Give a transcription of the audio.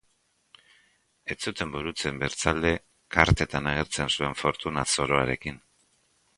Ez zuten burutzen, bertzalde, kartetan agertzen zuen fortuna zoroarekin.